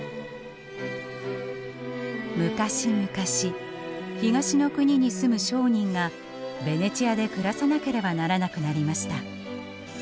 昔々東の国に住む商人がベネチアで暮らさなければならなくなりました。